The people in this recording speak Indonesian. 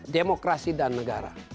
demokrasi dan negara